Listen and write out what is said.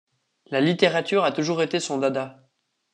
La littérature a toujours été son dada.